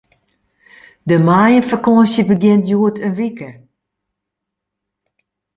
De maaiefakânsje begjint hjoed in wike.